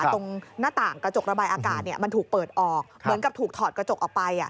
ตรงหน้าต่างกระจกระบายอากาศมันถูกเปิดออกเหมือนกับถูกถอดกระจกออกไป